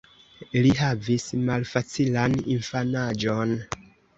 Li havis malfacilan infanaĝon.